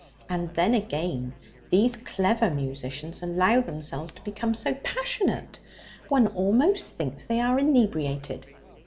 And then, again, these clever musicians allow themselves to become so passionate, one almost thinks they are inebriated.